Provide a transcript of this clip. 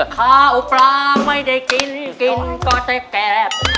ข้าวปลาไม่ได้กินกินก็ได้แกบ